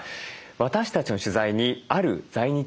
私たちの取材にある在日